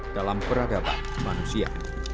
dalam peradaban manusia